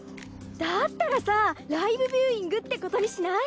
だったらさライブビューイングってことにしない？